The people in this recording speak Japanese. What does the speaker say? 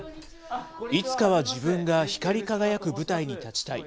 いつかは自分が光り輝く舞台に立ちたい。